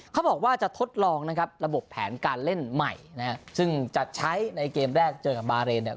เขาบอกว่าจะทดลองนะครับระบบแผนการเล่นใหม่นะฮะซึ่งจะใช้ในเกมแรกเจอกับบาเรนเนี่ย